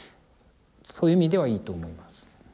そういう意味ではいいと思います。